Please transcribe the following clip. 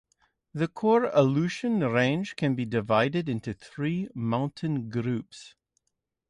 The core Aleutian Range can be divided into three mountain groups.